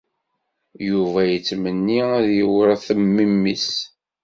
Yuba yettmenni ad t-yewṛet memmi-s.